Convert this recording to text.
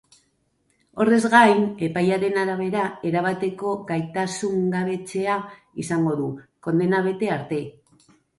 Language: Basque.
Horrez gain, epaiaren arabera, erabateko gaitasungabetzea izango du kondena bete arte.